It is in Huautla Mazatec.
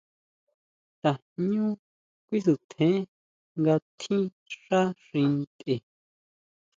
Tajñú kuisutjen nga tjín xá xi ntʼe.